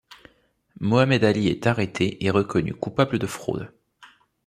Mohamed Ali est arrêté et reconnu coupable de fraude.